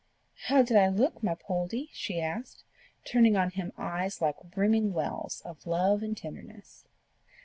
"How did I look, my Poldie?" she asked, turning on him eyes like brimming wells of love and tenderness.